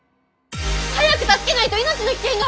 早く助けないと命の危険が！